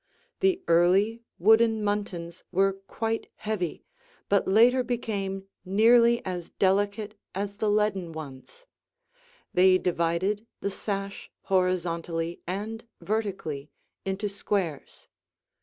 The early wooden muntins were quite heavy but later became nearly as delicate as the leaden ones. They divided the sash horizontally and vertically into squares.